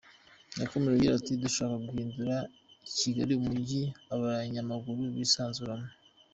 Yakomeje agira ati “Dushaka guhindura Kigali umujyi abanyamaguru bisanzuramo.